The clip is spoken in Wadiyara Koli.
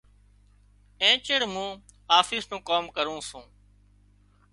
اين چيڙ مُون آفيس نُون ڪام ڪرُون سُون۔